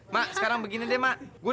mak sekarang begini deh mak